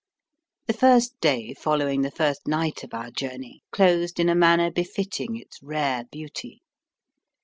The first day following the first night of our journey closed in a manner befitting its rare beauty.